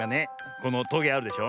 このトゲあるでしょ。